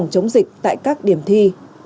chống dịch tại các điểm thi